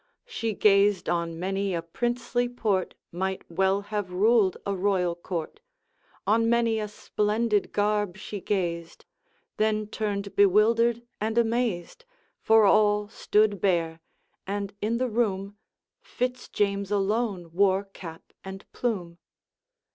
She gazed on many a princely port Might well have ruled a royal court; On many a splendid garb she gazed, Then turned bewildered and amazed, For all stood bare; and in the room Fitz James alone wore cap and plume.